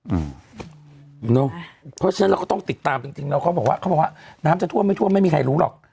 เพราะฉะนั้นเราก็ต้องติดตามจริงแล้วเขาบอกว่าเขาบอกว่าน้ำจะท่วมไม่ท่วมไม่มีใครรู้หรอก